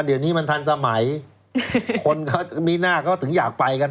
เดี๋ยวนี้มันทันสมัยคนก็มีหน้าเขาถึงอยากไปกัน